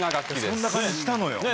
そんな感じしたのよ。